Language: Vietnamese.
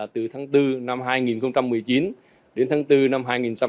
từ tháng bốn năm hai nghìn một mươi chín đến tháng bốn năm hai nghìn hai mươi